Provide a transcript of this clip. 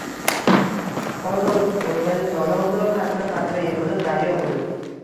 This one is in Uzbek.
Oz-oz o'rganib dono bo'lur, qatra-qatra yig'ilib daryo bo'lur.